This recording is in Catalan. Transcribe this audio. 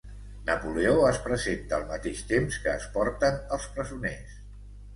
Napoleó es presenta al mateix temps que es porten als presoners.